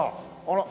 あら？